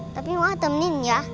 tapi mau ditemenin ya